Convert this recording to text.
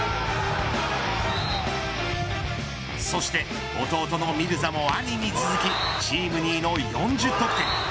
そして弟のミルザも兄に続きチーム２位の４０得点。